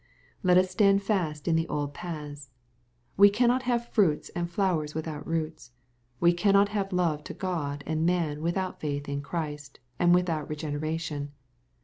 Let us stand fast in the old pathsi We cannot have fruits and flowers without roots. We cannot have love to God and man without faith in Christ, and without regeneration.